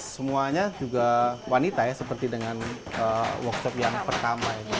semuanya juga wanita ya seperti dengan workshop yang pertama ini